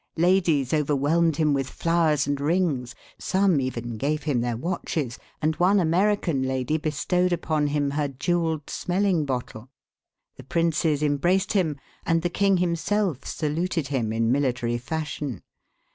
Ladies overwhelmed him with flowers and rings; some even gave him their watches, and one American lady bestowed upon him her jewelled smelling bottle. The princes embraced him, and the king himself saluted him in military fashion.